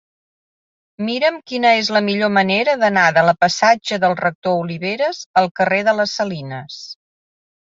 Mira'm quina és la millor manera d'anar de la passatge del Rector Oliveras al carrer de les Salines.